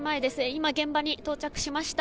今、現場に到着しました。